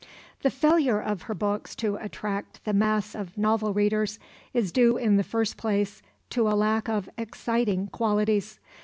The failure of her books to attract the mass of novel readers is due in the first place to a lack of "exciting" qualities.